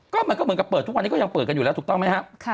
ก็มันก็เหมือนกับเปิดทุกวันนี้ก็ยังเปิดกันอยู่แล้วถูกต้องไหมครับ